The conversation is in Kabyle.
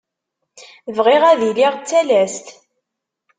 Bɣiɣ ad iliɣ d talast.